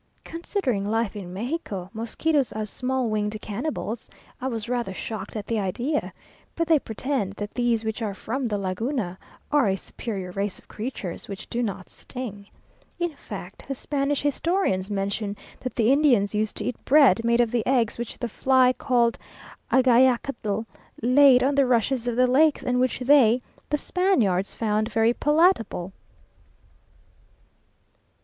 Considering Life in Mexico, mosquitoes as small winged cannibals, I was rather shocked at the idea, but they pretend that these which are from the Laguna, are a superior race of creatures, which do not sting. In fact the Spanish historians mention that the Indians used to eat bread made of the eggs which the fly called agayacatl laid on the rushes of the lakes, and which they (the Spaniards) found very palatable.